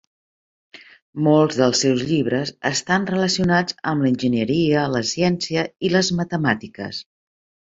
Molts dels seus llibres estan relacionats amb l'enginyeria, la ciència i les matemàtiques.